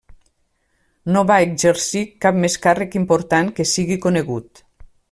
No va exercir cap més càrrec important que sigui conegut.